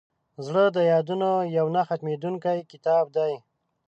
زړه د یادونو یو نه ختمېدونکی کتاب دی.